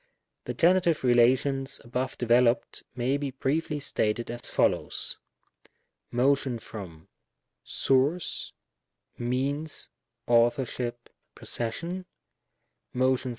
The Genitive relations above developed may be briefly stated as follows : Motion from {Means, Authorship, Possession.